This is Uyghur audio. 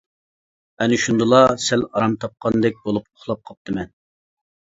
ئەنە شۇندىلا سەل ئارام تاپقاندەك بولۇپ ئۇخلاپ قاپتىمەن.